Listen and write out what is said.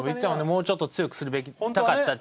もうちょっと強くするべきしたかったって。